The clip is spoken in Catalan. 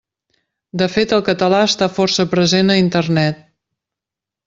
De fet el català està força present a Internet.